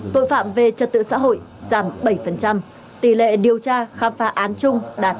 tội phạm về trật tự xã hội giảm bảy tỷ lệ điều tra khám phá án chung đạt sáu mươi